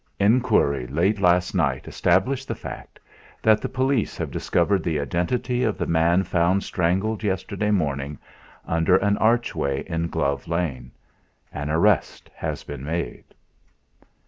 "Enquiry late last night established the fact that the Police have discovered the identity of the man found strangled yesterday morning under an archway in Glove Lane. An arrest has been made."